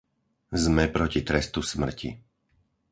Sme proti trestu smrti.